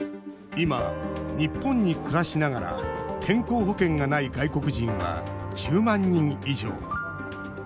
今、日本に暮らしながら健康保険がない外国人は１０万人以上。